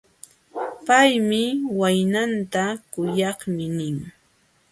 Paymi waynanta: kuyakmi nin.